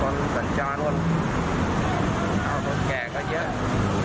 ตอนสรรจาน้อยเขาพล่งแก่ก็เยอะ